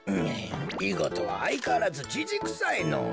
いごとはあいかわらずじじくさいのぉ。